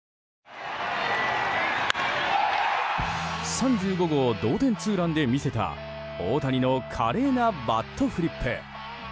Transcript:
３５号同点ツーランで見せた大谷の華麗なバットフリップ。